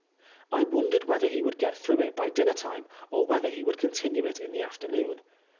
I wondered whether he. would get through it by dinner time, or whether he would continue it in the sdEternoon.